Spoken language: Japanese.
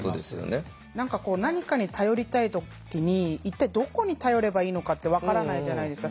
何かこう何かに頼りたい時に一体どこに頼ればいいのかって分からないじゃないですか。